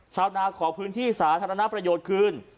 ชาวนาขอพื้นที่สาธารณประโยชน์คืน